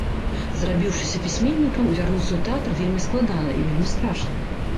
Зрабіўшыся пісьменнікам, вярнуцца ў тэатр вельмі складана і вельмі страшна.